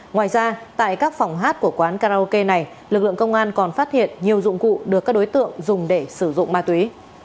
ngoài ra tại các phòng hát của quán karaoke này lực lượng công an còn phát hiện nhiều dụng cụ được các đối tượng dùng để sử dụng ma túy